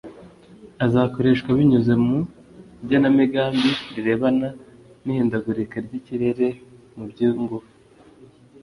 Azakoreshwa binyuze mu igenamigambi rirebana n’ihindagurika ry’ikirere mu by’ingufu